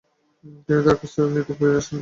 তিনি তার কাজ নিতে ফিরে আসেন।